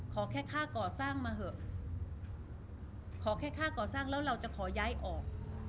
ขอแค่ค่าก่อสร้างมาเถอะขอแค่ค่าก่อสร้างแล้วเราจะขอย้ายออก